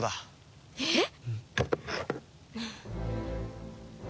えっ？